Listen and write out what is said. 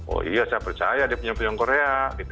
oh iya saya percaya dia punya film korea